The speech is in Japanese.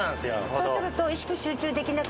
そうすると。